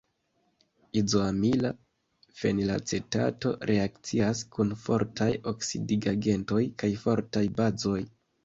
Izoamila fenilacetato reakcias kun fortaj oksidigagentoj kaj fortaj bazoj.